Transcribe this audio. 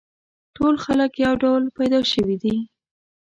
ټول خلک یو ډول پیدا شوي دي.